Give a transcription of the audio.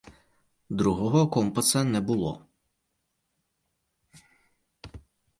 Другого компаса не було.